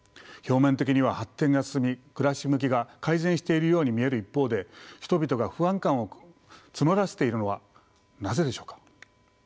表面的には発展が進み暮らし向きが改善しているように見える一方で人々が不安感を募らせているのはなぜでしょうか？